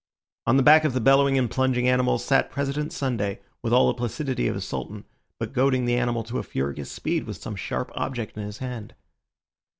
On the back of the bellowing and plunging animal sat President Sunday with all the placidity of a sultan, but goading the animal to a furious speed with some sharp object in his hand.